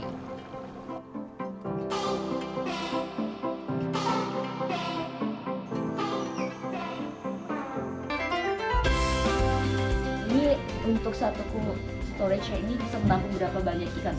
ini untuk satu storage ini bisa menangkan berapa banyak ikan